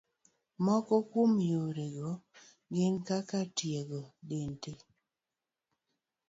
Moko kuom yorego gin kaka, tiego dendi.